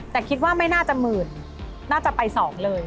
แต่คิดว่าไม่น่าจะหมื่นน่าจะไป๒เลย